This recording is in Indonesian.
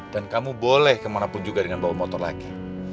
dan kamu boleh kemana pun juga dengan bawa motor lagi